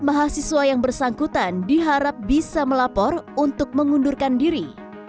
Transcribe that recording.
mahasiswa yang bersangkutan diharap bisa melapor untuk mengundurkan diri